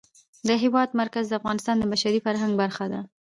د هېواد مرکز د افغانستان د بشري فرهنګ برخه ده.